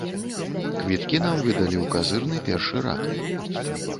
Квіткі нам выдалі ў казырны першы рад.